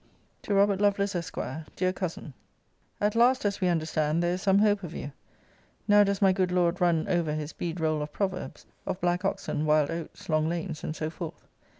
TO ROBERT LOVELACE, ESQ. DEAR COUSIN, At last, as we understand, there is some hope of you. Now does my good Lord run over his bead roll of proverbs; of black oxen, wild oats, long lanes, and so forth.